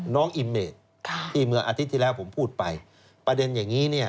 น้องอิมเมดที่เมื่ออาทิตย์ที่แล้วผมพูดไปประเด็นอย่างนี้เนี่ย